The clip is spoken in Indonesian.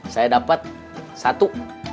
saya dapat satu